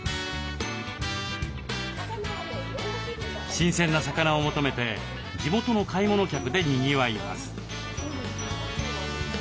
新鮮な魚を求めて地元の買い物客でにぎわいます。